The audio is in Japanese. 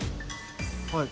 はい。